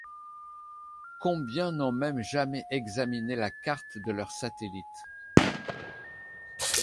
Combien n’ont même jamais examiné la carte de leur satellite!